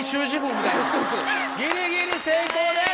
ギリギリ成功です！